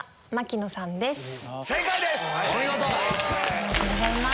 ありがとうございます。